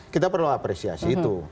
kita perlu apresiasi itu